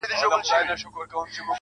له دېوالونو یې رڼا پر ټوله ښار خپره ده.